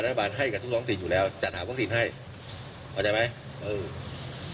รัฐบาลให้กับทุกท้องถิ่นอยู่แล้วจัดหาท้องถิ่นให้เอาจริงไหมเออ